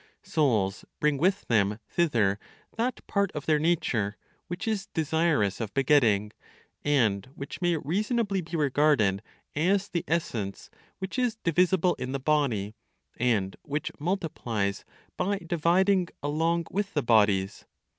Souls bring with them thither that part of their nature which is desirous of begetting, and which may reasonably be regarded as the essence which is divisible in the body, and which multiplies by dividing along with the bodies.